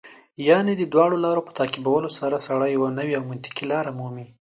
یعنې د دواړو لارو په تعقیبولو سره سړی یوه نوې او منطقي لار مومي.